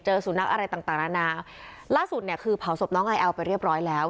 สุนัขอะไรต่างต่างนานาล่าสุดเนี่ยคือเผาศพน้องไอแอลไปเรียบร้อยแล้ว